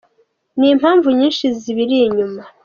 n’impamvu nyinshi zibiri inyuma.